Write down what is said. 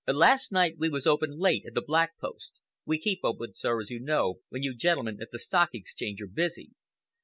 Last night we was open late at the 'Black Post.' We keep open, sir, as you know, when you gentlemen at the Stock Exchange are busy.